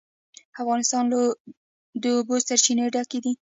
افغانستان له د اوبو سرچینې ډک دی.